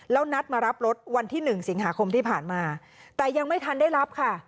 แล้วนัดมารับรถวันที่๑สิงหาคมที่ผ่านมาแต่ยังไม่ทันได้รับค่ะ